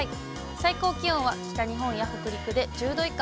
最高気温は北日本や北陸で１０度以下。